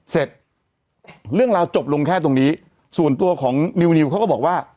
เสร็จเรื่องราวจบลงแค่ตรงนี้ส่วนตัวของนิวเขาก็บอกว่า